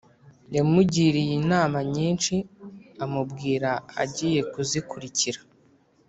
yamugiriye inama nyinshi amubwira agiye kuzikurikira